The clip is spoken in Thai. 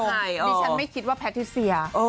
นี่ฉันไม่คิดว่าแพทย์ที่เสีย